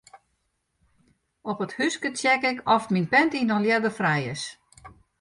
Op it húske check ik oft myn panty noch ljedderfrij is.